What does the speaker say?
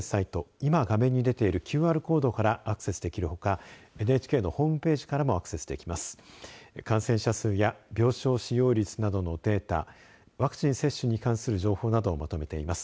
今、画面に出ているＱＲコードからアクセスできるほかＮＨＫのホームページからもアクセスできます。